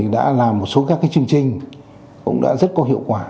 đã làm một số các chương trình cũng đã rất có hiệu quả